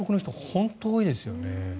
本当に多いですよね。